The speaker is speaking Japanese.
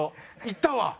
いったわ！